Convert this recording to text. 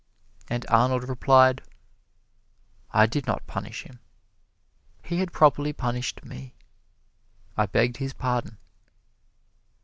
And Arnold replied: "I did not punish him he had properly punished me. I begged his pardon."